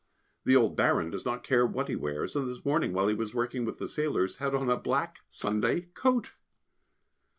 The old Baron does not care what he wears, and this morning while he was working with the sailors had on a black Sunday coat!